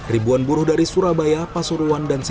ribuan buruh dari surabaya pasuruan dan sintra